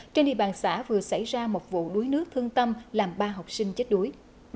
trên địa bàn xã vừa xảy ra một vụ đuối nước thương tâm làm ba học sinh chết đuối